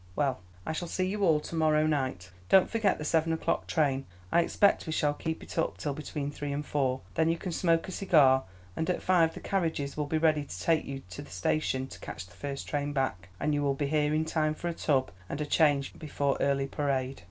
Well, I shall see you all to morrow night. Don't forget the seven o'clock train. I expect we shall keep it up till between three and four. Then you can smoke a cigar, and at five the carriages will be ready to take you to the station to catch the first train back, and you will be here in time for a tub and a change before early parade."